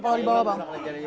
kalau dibawa bang